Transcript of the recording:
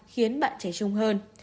khiến bạn trẻ trung hơn